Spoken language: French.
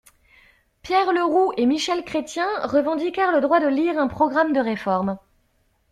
Pierre Leroux et Michel Chrestien revendiquèrent le droit de lire un programme de réformes.